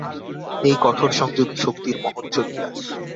এই কঠোর সংযমই শক্তির মহোচ্চ বিকাশ।